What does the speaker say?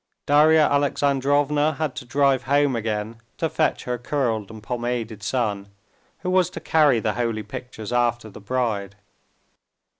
Darya Alexandrovna had to drive home again to fetch her curled and pomaded son, who was to carry the holy pictures after the bride.